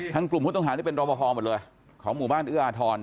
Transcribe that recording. กลุ่มผู้ต้องหานี่เป็นรอปภหมดเลยของหมู่บ้านเอื้ออาทร